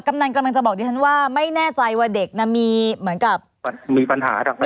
กนันกำลังจะบอกดิฉันว่าไม่แน่ใจว่าเด็กน่ะมีเหมือนกับมีปัญหาทำไม